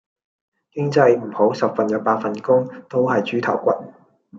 經濟唔好十份有八份工都喺豬頭骨